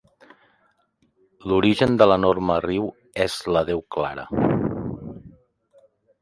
L'origen de l'enorme riu és la deu clara.